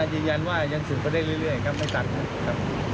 ยืนยันว่ายังสืบไปเรื่อยไม่ตันนะครับ